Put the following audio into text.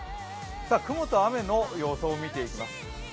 雲と雨の予想を見ていきます。